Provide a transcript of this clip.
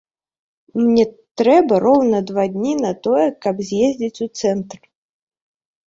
Мне трэба роўна два дні на тое, каб з'ездзіць у цэнтр.